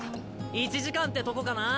１時間ってとこかな。